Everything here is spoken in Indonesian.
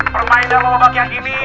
permainan lomba bakian ini